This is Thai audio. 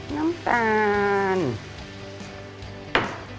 น้ำตาล